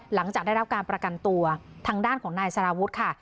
หลังจากได้รับการประกันตัวทางด้านของนายสารวุฒิค่ะ